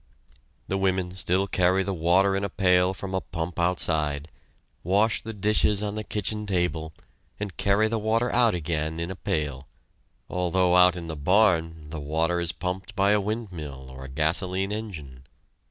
The women still carry the water in a pail from a pump outside, wash the dishes on the kitchen table, and carry the water out again in a pail; although out in the barn the water is pumped by a windmill, or a gasoline engine.